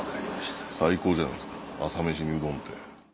最高じゃないですか朝飯にうどんって。